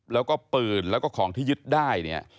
แล้วก็ปืนแล้วก็ของที่ยึดได้เนี่ย